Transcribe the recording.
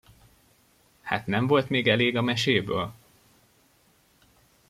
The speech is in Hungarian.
Hát nem volt még elég a meséből?